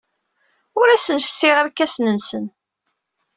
Ur asen-fessiɣ irkasen-nsen.